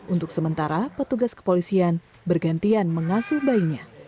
untuk sementara petugas kepolisian bergantian mengasuh bayinya